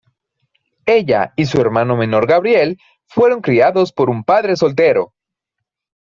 Ella y su hermano menor Gabriel fueron criados por un padre soltero.